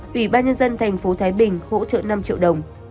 ủy ban nhân dân thành phố thái bình hỗ trợ năm triệu đồng